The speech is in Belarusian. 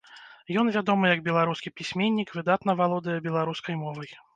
Ён вядомы як беларускі пісьменнік, выдатна валодае беларускай мовай.